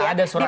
iya ada surat